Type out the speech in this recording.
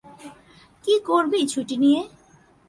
কী করবি ছুটি নিয়ে?